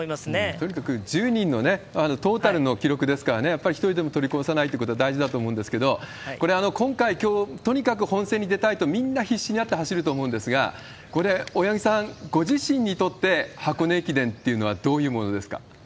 とにかく１０人の、トータルの記録ですからね、やっぱり１人でも取りこぼさないってことが大事だと思うんですけれども、これ、今回とにかく本戦に出たいと、みんな必死になって走ると思うんですが、これ、大八木さん、ご自身にとって箱根駅伝っていうのはどういうものですか？